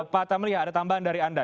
pak tamlia ada tambahan dari anda